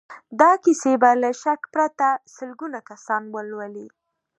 دا کيسې به له شک پرته سلګونه کسان ولولي.